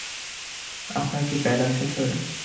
আপনার কি প্যাড আছে স্যার?